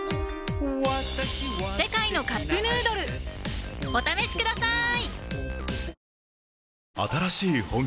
「世界のカップヌードル」お試しください！